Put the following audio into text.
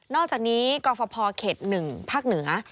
นอกจากนี้กภเครษนึงพเหนือ